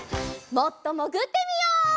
もっともぐってみよう！